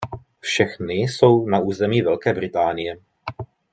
Všechny jsou na území Velké Británie.